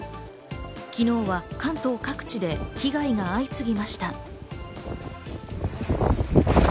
昨日は関東各地で被害が相次ぎました。